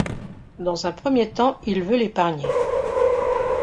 Dans un premier temps il veut l’épargner.